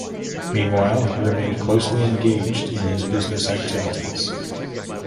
Meanwhile he remained closely engaged in his business activities.